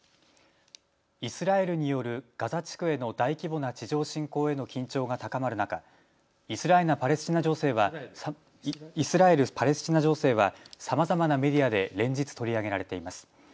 イスラエルによるガザ地区への大規模な地上侵攻への緊張が高まる中、イスラエル・パレスチナ情勢はさまざまなメディアで連日取り上げられています。